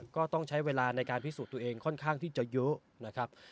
ก็ต้องใช้เวลาในการพิสูจน์ตัวเองค่อนข้างที่จะเยอะนะครับ